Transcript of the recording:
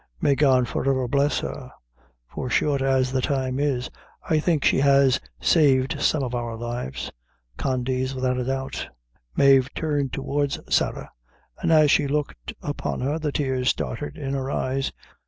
May God for ever bless her! for short as the time is, I think she has saved some of our lives Condy's without a doubt." Mave turned towards Sarah, and, as she looked upon her, the tears started to her eyes.